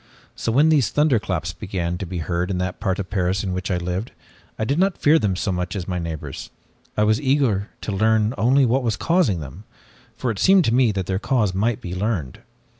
So when these thunderclaps began to be heard in the part of Paris in which I lived, I did not fear them so much as my neighbors. I was eager to learn only what was causing them, for it seemed to me that their cause might be learned.